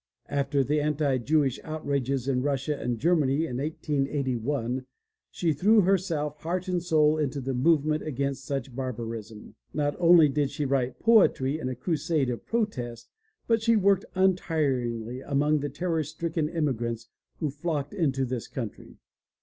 After the anti Jewish outrages in Russia and Germany in 1881, she threw herself heart and soul into the movement against such barbarism. Not only did she write poetry in a crusade of protest but she worked untiringly among the terror stricken immigrants who flocked into this country.